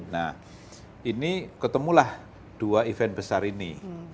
nah ini ketemulah dua event besar ini